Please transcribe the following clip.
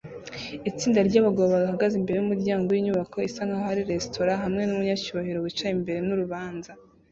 Itsinda ryabagabo bahagaze imbere yumuryango winyubako isa nkaho ari resitora hamwe numunyacyubahiro wicaye imbere nurubanza